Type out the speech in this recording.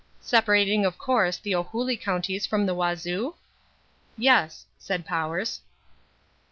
"Separating, of course, the Ohulî counties from the Wazoo?" "Yes," said Powers.